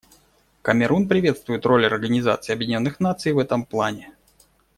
Камерун приветствует роль Организации Объединенных Наций в этом плане.